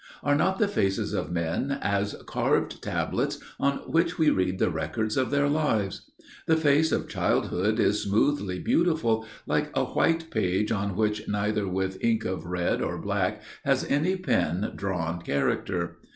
Are not the faces of men as carved tablets on which we read the records of their lives? The face of childhood is smoothly beautiful, like a white page on which neither with ink of red or black has any pen drawn character.